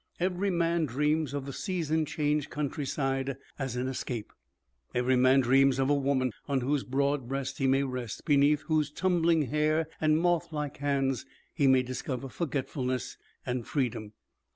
Every man dreams of the season changed countryside as an escape; every man dreams of a woman on whose broad breast he may rest, beneath whose tumbling hair and moth like hands he may discover forgetfulness and freedom.